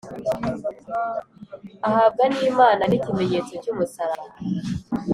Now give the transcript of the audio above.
Ahabwa N Imana N Ikimenyetso cyumusaraba